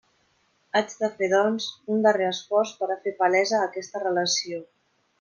Haig de fer, doncs, un darrer esforç per a fer palesa aquesta relació.